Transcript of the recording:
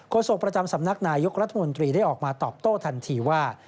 โศกประจำสำนักนายกรัฐมนตรีได้ออกมาตอบโต้ทันทีว่า